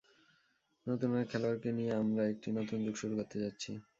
নতুন অনেক খেলোয়াড়কে নিয়ে আমরা একটি নতুন যুগ শুরু করতে যাচ্ছি।